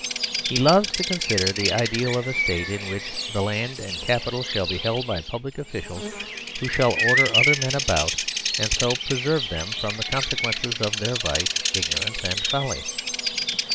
He loves to consider the ideal of a State in which land and capital shall be held by public officials who shall order other men about and so preserve them from the consequences of their vice, ignorance, and folly.